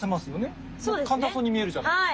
簡単そうに見えるじゃないですか。